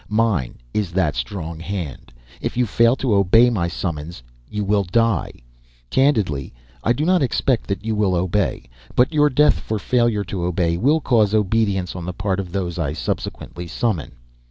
Mine is that strong hand. If you fail to obey my summons, you will die. Candidly, I do not expect that you will obey. But your death for failure to obey will cause obedience on the part of those I subsequently summon.